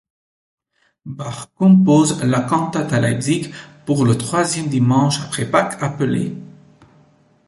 Bach compose la cantate à Leipzig pour le troisième dimanche après Pâques appelé '.